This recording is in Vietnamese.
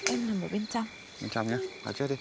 em thích bên trong